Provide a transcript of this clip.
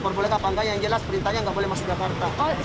kalau sudah melintas perintahnya tidak boleh masuk ke kantor